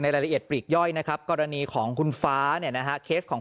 รายละเอียดปลีกย่อยนะครับกรณีของคุณฟ้าเนี่ยนะฮะเคสของ